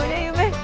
jalannya cepat amat